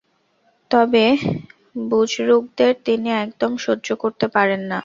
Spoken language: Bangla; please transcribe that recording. তবে বুজরুকদের তিনি একদম সহ্য করতে পারেন না।